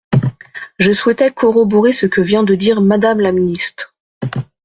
Je souhaitais corroborer ce que vient de dire Madame la ministre.